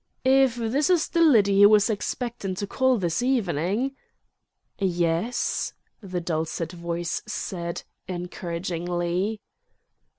"If this is the lidy 'e was expectin' to call this evenin'—" "Yes?" the dulcet voice said, encouragingly.